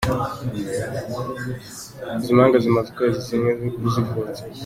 Izi mpanga zimaze ukwezi kumwe zivutse.